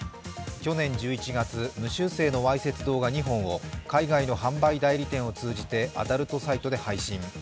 去年１１月、無修正のわいせつな動画２本を海外の販売代理店を通じて当たるとサイトで配信。